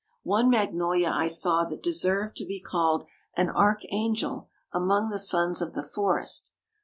One magnolia I saw that deserved to be called an archangel among the sons of the forest.